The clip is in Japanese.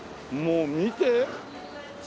もう見て。